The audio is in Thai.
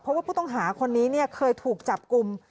เพราะว่าผู้ต้องหาคนนี้เคยถูกจับกลุ่ม